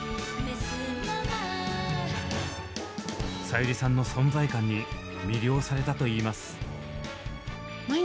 さゆりさんの存在感に魅了されたと言います。